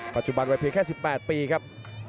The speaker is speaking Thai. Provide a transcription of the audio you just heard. ปัจจุบันไปเพียงแค่สิบแปดปีครับ